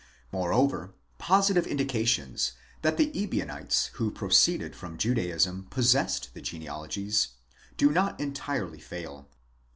Moreover positive indications, that the Ebionites who proceeded from Judaism possessed the genealogies, do not entirely fail.